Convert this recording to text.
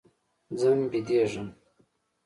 ځم بيدېږم.